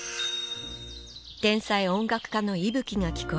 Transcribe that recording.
天才音楽家の息吹が聞こえる